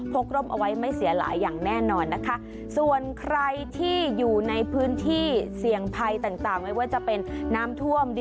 กร่มเอาไว้ไม่เสียหลายอย่างแน่นอนนะคะส่วนใครที่อยู่ในพื้นที่เสี่ยงภัยต่างไม่ว่าจะเป็นน้ำท่วม